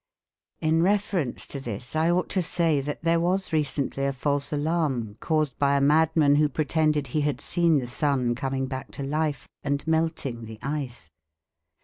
In reference to this I ought to say that there was recently a false alarm caused by a madman who pretended he had seen the sun coming back to life and melting the ice.